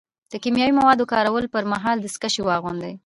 د کیمیاوي موادو کارولو پر مهال دستکشې واغوندئ.